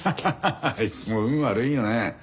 あいつも運悪いよね。